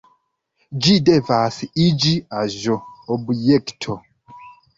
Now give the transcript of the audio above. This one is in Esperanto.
Ĝi devas iĝi aĵo, objekto.